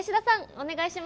お願いします。